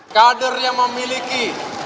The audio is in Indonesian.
kader yang memiliki